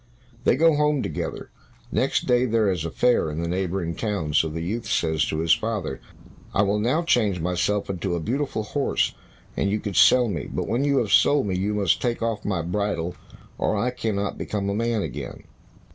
They go home together. Next day there is a fair in the neighboring town, so the youth says to his father, "I will now change myself into a beautiful horse, and you can sell me; but when you have sold me, you must take off my bridle, or I cannot become a man again."